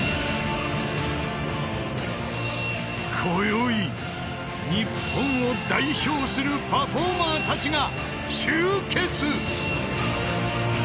［こよい日本を代表するパフォーマーたちが集結］